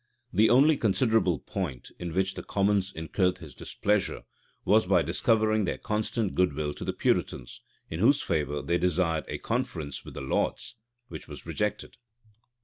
The only considerable point in which the commons incurred his displeasure, was by discovering their constant good will to the Puritans, in whose favor they desired a conference with the lords;[] which was rejected.